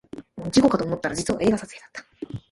事故かと思ったら実は映画撮影だった